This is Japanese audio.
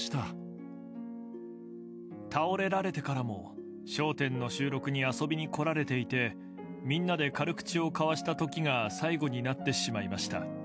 倒れられてからも、笑点の収録に遊びに来られていて、みんなで軽口を交わしたときが最後になってしまいました。